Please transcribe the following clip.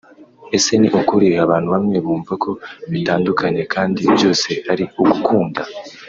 " Ese ni kuki abantu bamwe bumva ko bitandukanye kandi byose ari ugukunda